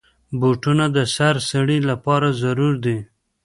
بوټونه د هر سړي لپاره ضرور دي.